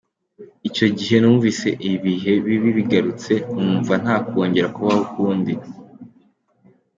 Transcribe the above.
Icyo gihe numvise ibihe bibi bigarutse, numva ntakongera kubaho ukundi.